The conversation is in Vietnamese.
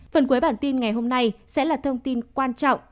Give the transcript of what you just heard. phần cuối bản tin ngày hôm nay sẽ là thông tin quan trọng